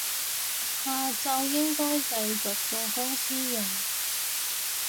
下晝應該繼續做公司嘢